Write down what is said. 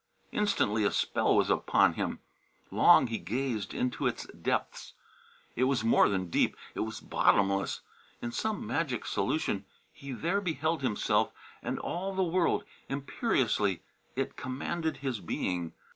Instantly a spell was upon him; long he gazed into its depths. It was more than deep; it was bottomless. In some magic solution he there beheld himself and all the world; imperiously it commanded his being.